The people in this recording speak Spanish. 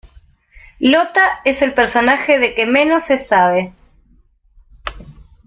Lotta es el personaje de que menos se sabe.